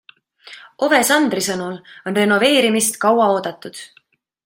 Ove Sandri sõnul on renoveerimist kaua oodatud.